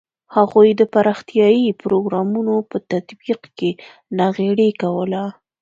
هغوی د پراختیايي پروګرامونو په تطبیق کې ناغېړي کوله.